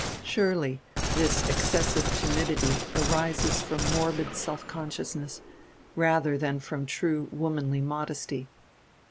Surely this excessive timidity arises from morbid self consciousness, rather than from true womanly modesty.